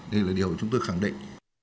đây là điều chúng tôi khẳng định